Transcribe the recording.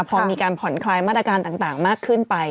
พอมีการผ่อนคลายมาตรการต่างมากขึ้นไป